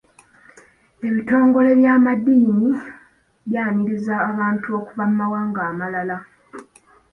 Ebitongole by'amaddiini byaniriza abantu okuva mu mawanga amalala.